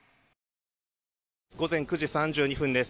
午前９時３２分です。